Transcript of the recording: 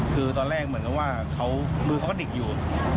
คือตอนแรกเหมือนกับว่ามือเขาก็ดิกอยู่